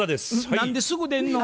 何ですぐ出んのん？